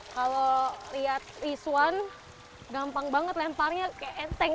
kalau lihat rizwan gampang banget lemparnya kayak enteng